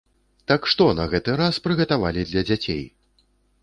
Так што на гэты раз прыгатавалі для дзяцей?